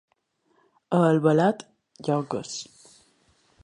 A Albalat, lloques.